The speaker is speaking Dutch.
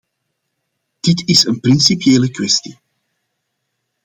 Dit is een principiële kwestie.